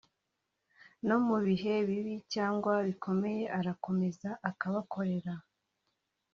no mu bihe bibi cyangwa bikomeye urakomeza ukabakorera